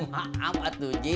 maaf atuh ji